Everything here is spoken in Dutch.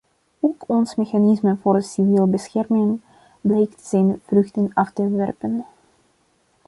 Ook ons mechanisme voor civiele bescherming blijkt zijn vruchten af te werpen.